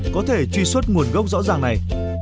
có thể truy xuất nguồn gốc rõ ràng này